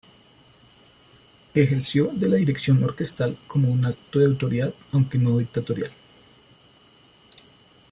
Ejerció de la dirección orquestal como un acto de autoridad, aunque no dictatorial.